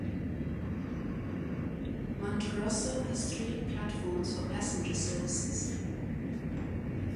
Monterosso has three platforms for passenger services.